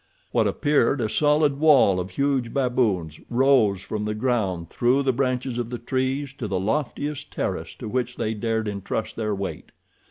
What appeared a solid wall of huge baboons rose from the ground through the branches of the trees to the loftiest terrace to which they dared entrust their weight.